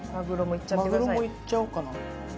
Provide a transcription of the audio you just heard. まぐろもいっちゃおうかな。